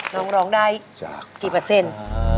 น้องร้องได้กี่เปอร์เซ็นต์